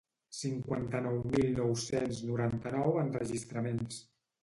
Cinquanta-nou mil nou-cents noranta-nou enregistraments